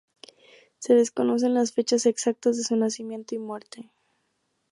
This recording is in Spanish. Se desconocen las fechas exactas de su nacimiento y muerte.